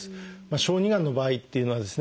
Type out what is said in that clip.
小児がんの場合っていうのはですね